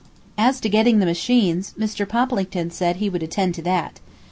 As to getting the machines, Mr. Poplington said he would attend to that.